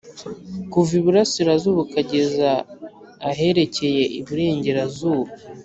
kuva iburasirazuba ukageza aherekeye iburengerazuba